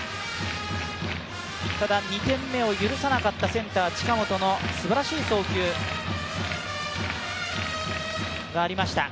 ただ、２点目を許さなかったセンター・近本のすばらしい送球がありました。